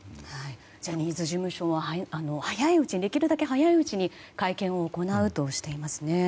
ジャニーズ事務所はできるだけ早いうちに会見を行うとしていますね。